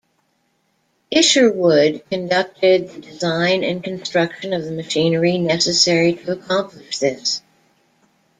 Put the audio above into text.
Isherwood conducted the design and construction of the machinery necessary to accomplish this.